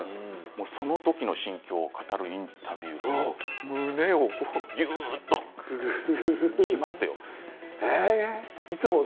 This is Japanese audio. そのときの心境を語るインタビュー、胸がギュッときますよ。